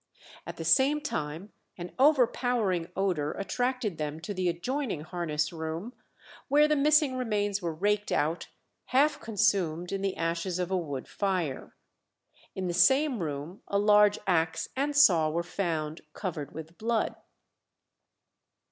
At the same time an overpowering odour attracted them to the adjoining harness room, where the missing remains were raked out half consumed in the ashes of a wood fire. In the same room a large axe and saw were found covered with blood.